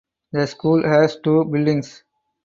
The school has two buildings.